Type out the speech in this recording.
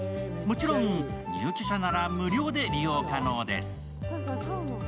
もちろん入居者なら無料で利用可能です。